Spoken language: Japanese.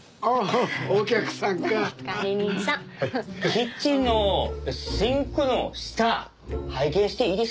キッチンのシンクの下拝見していいですか？